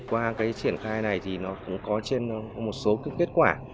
qua triển khai này thì nó có trên một số kết quả